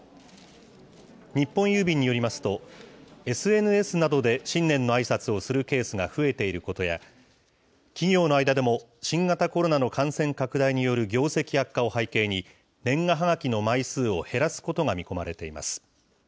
日本郵便によりますと、ＳＮＳなどで新年のあいさつをするケースが増えていることや、企業の間でも新型コロナの感染拡大による業績悪化を背景に、年賀はがきの枚数を減らすことが見込まれています。